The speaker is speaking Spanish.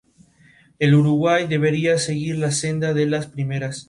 Tanto las puertas laterales como la torreta auxiliar se desecharon en las versiones posteriores.